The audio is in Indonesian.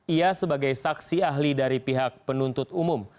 ia sebagai saksi ahli dari pihak penuntut umum